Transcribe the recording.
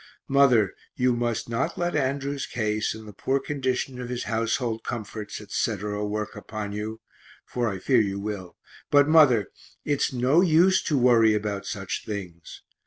Mother, you must not let Andrew's case and the poor condition of his household comforts, etc., work upon you, for I fear you will but, mother, it's no use to worry about such things.